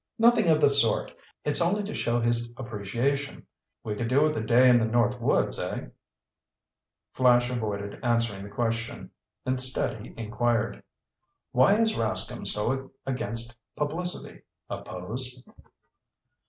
"Nothing of the sort. It's only to show his appreciation. We could do with a day in the north woods, eh?" Flash avoided answering the question. Instead he inquired: "Why is Rascomb so against publicity? A pose?"